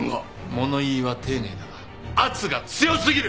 物言いは丁寧だが圧が強過ぎる！